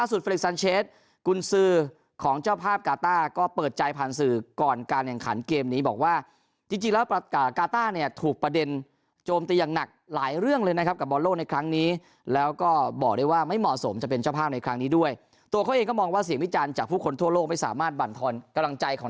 เฟรกซันเชสกุญสือของเจ้าภาพกาต้าก็เปิดใจผ่านสื่อก่อนการแข่งขันเกมนี้บอกว่าจริงจริงแล้วกาต้าเนี่ยถูกประเด็นโจมตีอย่างหนักหลายเรื่องเลยนะครับกับบอลโลกในครั้งนี้แล้วก็บอกได้ว่าไม่เหมาะสมจะเป็นเจ้าภาพในครั้งนี้ด้วยตัวเขาเองก็มองว่าเสียงวิจารณ์จากผู้คนทั่วโลกไม่สามารถบรรทอนกำลังใจของ